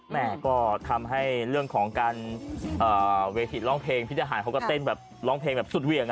แม่ก็ทำให้เรื่องของการเวทีร้องเพลงพี่ทหารเขาก็เต้นแบบร้องเพลงแบบสุดเหวี่ยง